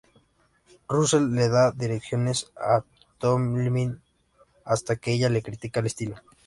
Russell le da direcciones a Tomlin hasta que ella le critica el estilo.